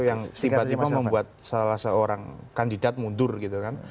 yang tiba tiba membuat salah seorang kandidat mundur gitu kan